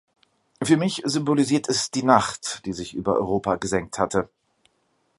Für mich symbolisiert es die Nacht, die sich über Europa gesenkt hatte.